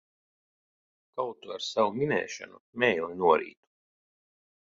Kaut tu ar savu minēšanu mēli norītu!